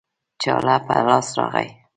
چاړه په لاس راغی